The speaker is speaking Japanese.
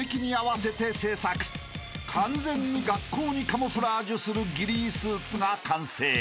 ［完全に学校にカムフラージュするギリースーツが完成！］